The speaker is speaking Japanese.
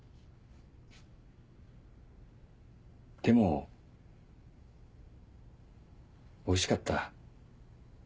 でもおいしかった。